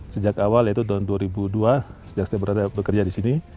sejak awal yaitu tahun dua ribu dua sejak saya bekerja di sini